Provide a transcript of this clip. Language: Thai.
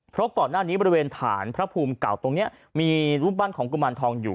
เพราะก่อนหน้านี้บริเวณฐานพระภูมิเก่าตรงนี้มีรูปปั้นของกุมารทองอยู่